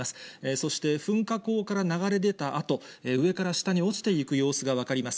そして噴火口から流れ出た跡、上から下に落ちていく様子が分かります。